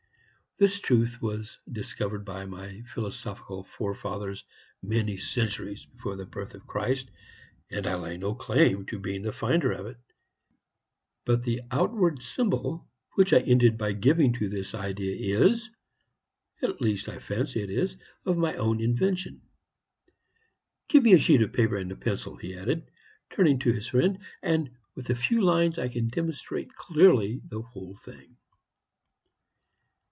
This truth was discovered by my philosophical forefathers many centuries before the birth of Christ, and I lay no claim to being the finder of it; but the outward symbol which I ended by giving to this idea is at least I fancy it is of my invention. "Give me a sheet of paper and a pencil," he added, turning to his friend, "and with a few lines I can demonstrate clearly the whole thing."